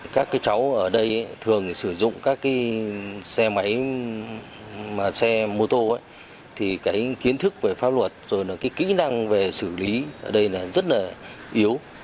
các cháu ở đây thường sử dụng các xe máy xe mô tô thì kiến thức về pháp luật kỹ năng về xử lý ở đây rất yếu